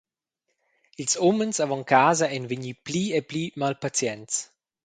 Ils umens avon casa ein vegni pli e pli malpazients.